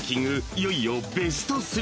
［いよいよベスト３］